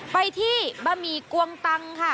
ไปที่บะหมี่กวงตังค่ะ